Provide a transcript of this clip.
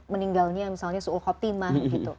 meninggalnya misalnya se ulkhotimah